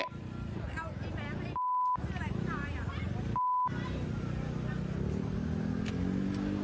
เอ้าไอ้แม๊คไอ้คุณไทยอะ